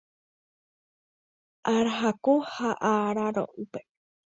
arahaku ha araro'ýpe